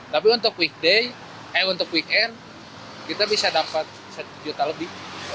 tapi untuk weekend kita bisa dapat satu juta lebih